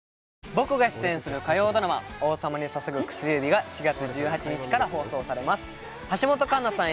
僕が出演する火曜ドラマ「王様に捧ぐ薬指」が４月１８日から放送されます橋本環奈さん